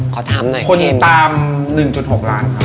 คนตาม๑๖ล้านค่ะ